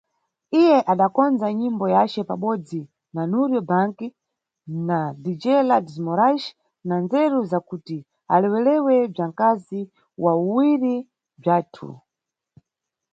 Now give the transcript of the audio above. Iye adakondza nyimbo yace pabodzi na Nurio Back na DJ Ladis Morais na ndzeru za kuti alewerewe bzwa nkazi "wa uwiri bzwathu".